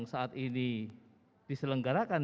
saat ini diselenggarakan